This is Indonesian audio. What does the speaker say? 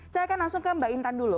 saya akan langsung ke mbak intan dulu